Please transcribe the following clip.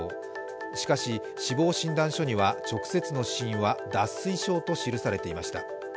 しかし、死亡診断書には直接の死因は脱水症と記されていました。